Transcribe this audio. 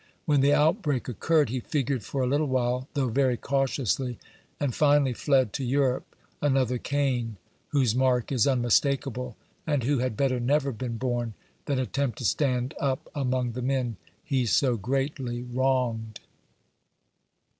When the outbreak occurred, he figured for a little while, though very cautiously, and finally fled to Europe, another Gain, whose mark is unmistakable, and who had better never been born than attempt to stand up among the men he so greatly wronged.